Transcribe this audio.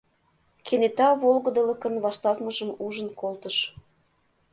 Кенета волгыдылыкын вашталтмыжым ужын колтыш.